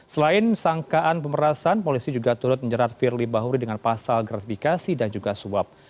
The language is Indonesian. selain sangkaan pemerasan polisi juga turut menjerat firly bahuri dengan pasal gratifikasi dan juga suap